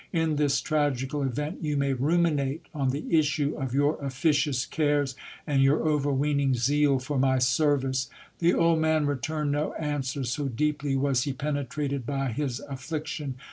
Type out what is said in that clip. In this tragical event, you may ruminate on the issue of your officious cares, and your overweening zeal for my service. The old man returned no answer, so deeply was he penetrated by his affliction.